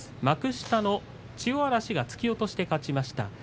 幕下の千代嵐が突き落としで勝ちました。